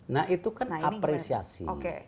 nah itu kan apresiasi